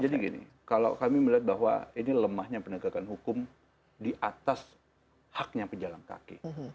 jadi gini kalau kami melihat bahwa ini lemahnya penegakan hukum di atas haknya pejalan kaki